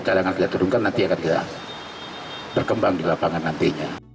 cadangan kita turunkan nanti akan kita berkembang di lapangan nantinya